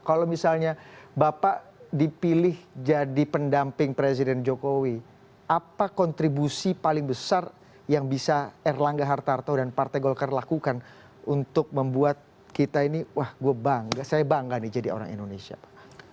kalau misalnya bapak dipilih jadi pendamping presiden jokowi apa kontribusi paling besar yang bisa erlangga hartarto dan partai golkar lakukan untuk membuat kita ini wah gue bangga saya bangga nih jadi orang indonesia pak